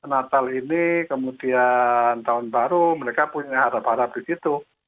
natal ini kemudian tahun baru mereka punya harap harap di situ